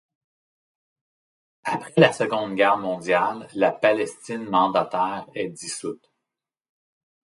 Après la Seconde Guerre mondiale, la Palestine mandataire est dissoute.